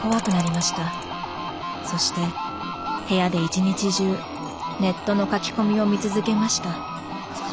そして部屋で一日中ネットの書き込みを見続けました。